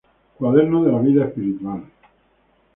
Cuadernos de la vida espiritual.